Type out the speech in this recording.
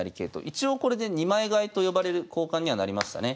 一応これで二枚換えと呼ばれる交換にはなりましたね。